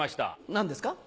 何ですか？